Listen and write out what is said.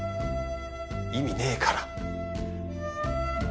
意味ねえから。